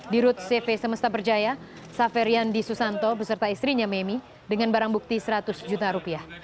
di rut cv semesta berjaya saferiandi susanto beserta istrinya memi dengan barang bukti seratus juta rupiah